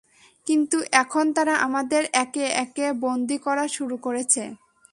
কিন্তু এখন তারা আমাদের একে একে বন্দি করা শুরু করেছে।